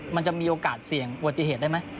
มันจะมีโอกาสเสี่ยงอุบัติเหตุได้ไหม